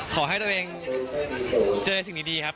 ขอให้ตัวเองเจอในสิ่งดีครับ